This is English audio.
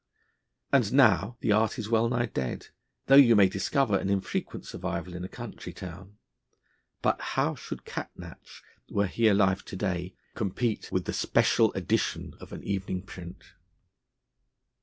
And now the art is wellnigh dead; though you may discover an infrequent survival in a country town. But how should Catnach, were he alive to day, compete with the Special Edition of an evening print?